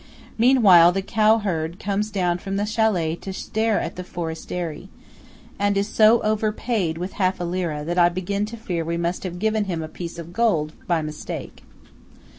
Meanwhile the cow herd comes down from the châlet to stare at the forestieri, and is so overpaid with half a lire that I begin to fear we must have given him a piece of gold by mistake.